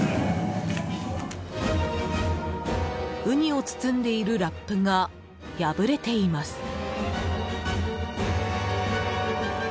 ウニを包んでいるラップが破れています。